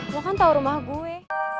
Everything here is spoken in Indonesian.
lo kan tau rumah gue